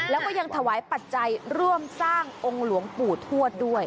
แล้วก็ยังถวายปัจจัยร่วมสร้างองค์หลวงปู่ทวดด้วย